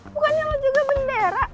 bukan lo juga bendera